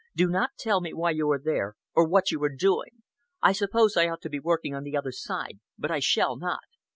"Do not tell me why you are there, or what you are doing. I suppose I ought to be working on the other side but I shall not.